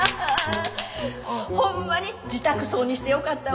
ホンマに自宅葬にしてよかったわ。